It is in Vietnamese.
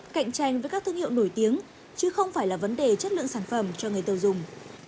cạnh tranh với các thương hiệu nổi tiếng chứ không phải là vấn đề chất lượng sản phẩm cho người tiêu dùng